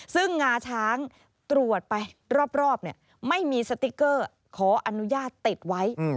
ซึ่งงาช้างตรวจไปรอบไม่มีสติ๊กเกอร์ขออนุญาตติดไว้